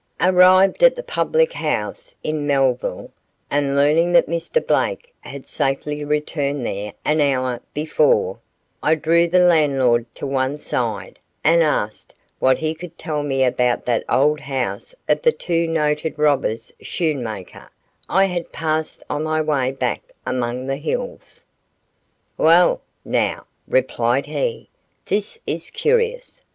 Arrived at the public house in Melville, and learning that Mr. Blake had safely returned there an hour before, I drew the landlord to one side and asked what he could tell me about that old house of the two noted robbers Schoenmaker, I had passed on my way back among the hills. "Wa'al now," replied he, "this is curious.